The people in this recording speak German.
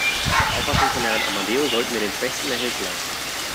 Nach Auffassung von Herrn Amadeo sollten wir den Schwächsten mehr Hilfe leisten.